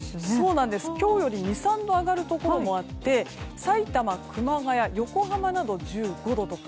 一方で、日中の最高気温は今日より２３度上がるところもあってさいたま、熊谷、横浜など１５度とか。